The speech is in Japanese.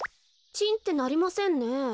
チンってなりませんね。